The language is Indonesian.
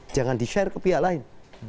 jangan di share ke pihak lain